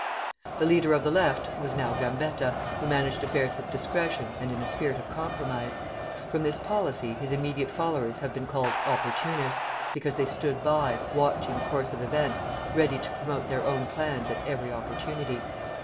The leader of the Left was now Gambetta, who managed matters with discretion and in a spirit of compromise. From this policy his immediate followers have been called "opportunists," because they stood by, watching the course of events, ready to promote their own plans at every opportunity.